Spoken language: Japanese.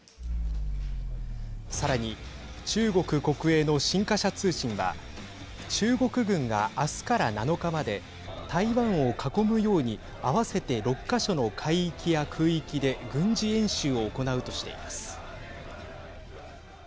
さらに、中国国営の新華社通信は中国軍が明日から７日まで台湾を囲むように合わせて６か所の海域や空域で軍事演習を行うとしています。